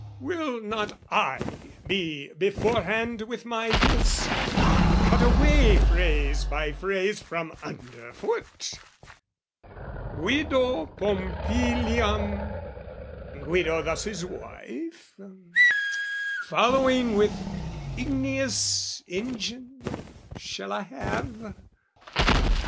Will not I be beforehand with my Fisc, Cut away phrase by phrase from underfoot! Guido Pompiliam Guido thus his wife Following with igneous engine, shall I have?